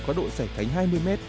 có độ sảy cánh hai mươi m